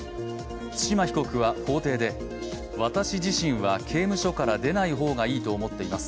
対馬被告は法廷で、私自身は刑務所から出ない方がいいと思っています